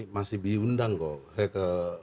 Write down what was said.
masih diundang kok